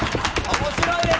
面白いです。